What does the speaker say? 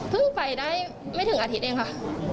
เพิ่งไปได้ไม่ถึงอาทิตย์แห่งค่ะ